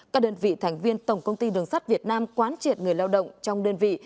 các đơn vị thành viên tổng công ty đường sắt việt nam quán triệt người lao động trong đơn vị